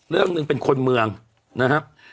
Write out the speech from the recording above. เรื่องหนึ่งเป็นคนเมืองนะครับ